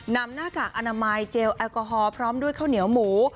หน้ากากอนามัยเจลแอลกอฮอล์พร้อมด้วยข้าวเหนียวหมู